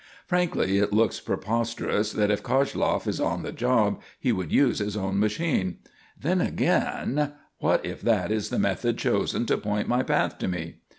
Frankly, it looks preposterous that if Koshloff is on the job, he would use his own machine. Then again what if that is the method chosen to point my path to me?